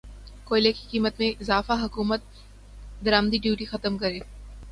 کوئلے کی قیمت میں اضافہ حکومت درمدی ڈیوٹی ختم کرے